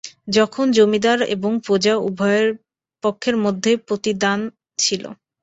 তখন জমিদার এবং প্রজা উভয় পক্ষের মধ্যেই দানপ্রতিদান ছিল।